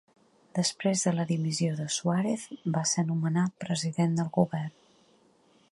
Després de la dimissió de Suárez va ser nomenat President del Govern.